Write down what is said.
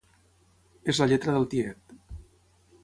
És la lletra del tiet.